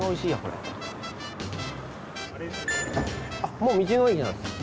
もう道の駅なんですね。